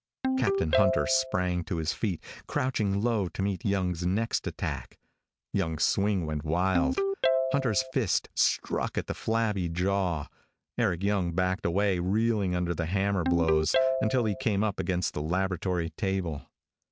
Captain Hunter sprang to his feet, crouching low to meet Young's next attack. Young's swing went wild. Hunter's fist struck at the flabby jaw. Eric Young backed away, reeling under the hammer blows, until he came up against the laboratory table.